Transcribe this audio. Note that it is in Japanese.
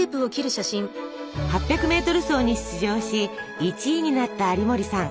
８００メートル走に出場し１位になった有森さん。